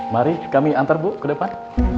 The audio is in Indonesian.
mari kami antar bu ke depan